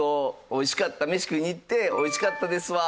おいしかった飯食いに行って「おいしかったですわ」